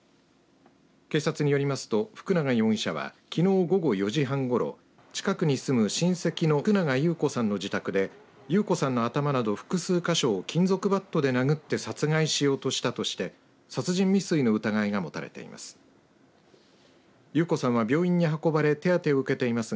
警察によりますと福永容疑者はきのう午後４時半ごろ近くに住む親戚の福永裕子さんの自宅で裕子さんの頭など複数か所を金属バットで殴って殺害しようとしたとして殺人未遂の疑いが持たれています。